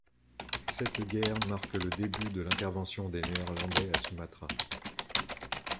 Cette guerre marque le début de l'intervention des Néerlandais à Sumatra.